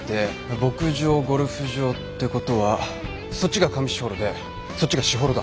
牧場ゴルフ場ってことはそっちが上士幌でそっちが士幌だ。